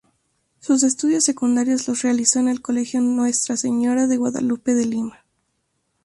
Sus estudios secundarios los realizó en el Colegio Nuestra Señora de Guadalupe de Lima.